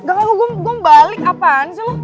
gak ngaku gue mau balik apaan sih lo